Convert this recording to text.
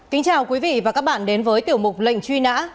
kính chào quý vị và các bạn đến với tiểu mục lệnh truy nã